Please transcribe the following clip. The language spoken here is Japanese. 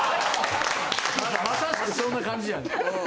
まさしくそんな感じやね。